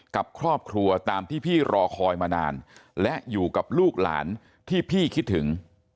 กับครอบครัวตามที่พี่รอคอยมานานและอยู่กับลูกหลานที่พี่คิดถึง